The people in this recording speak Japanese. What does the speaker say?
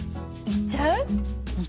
行っちゃう？